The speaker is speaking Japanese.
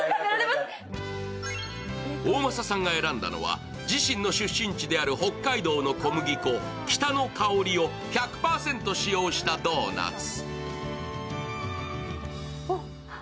大政さんが選んだのは自身の出身地である北海道の小麦粉・キタノカオリを１００％使用したドーナツ。